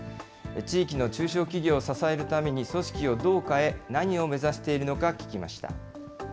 地域の中小企業を支えるために、組織をどう変え、何を目指しているのか聞きました。